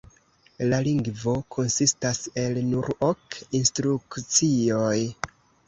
La lingvo konsistas el nur ok instrukcioj.